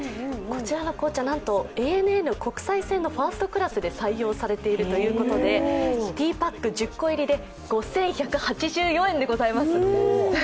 こちらの紅茶、なんとＡＮＡ国際線のファーストクラスで採用されているということでティーパック１０個入りで５１８４円でございます。